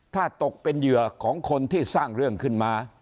ถ้าตกเป็นเหยื่อของคนที่สร้างเรื่องขึ้นมา